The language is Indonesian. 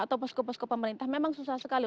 atau posko posko pemerintah memang susah sekali